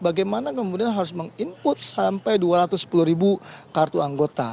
bagaimana kemudian harus meng input sampai dua ratus sepuluh ribu kartu anggota